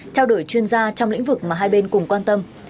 trao đổi chuyên gia trong lĩnh vực mà hai bên cùng quan tâm